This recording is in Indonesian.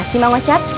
makasih mang wajar